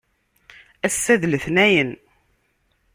Assa d letnayen.